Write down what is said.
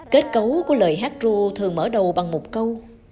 kết cấu của lời hát ru thường mở đầu bằng một câu